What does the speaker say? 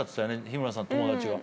日村さんの友達が。